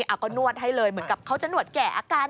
เอาก็นวดให้เลยเหมือนกับเขาจะนวดแก่อาการ